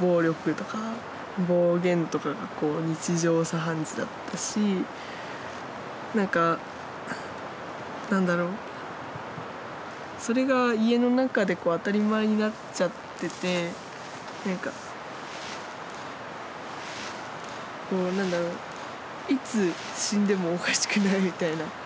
暴力とか暴言とかがこう日常茶飯事だったし何か何だろうそれが家の中でこう当たり前になっちゃってて何かこう何だろういつ死んでもおかしくないみたいな状況で。